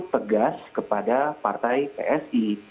tegas kepada partai psi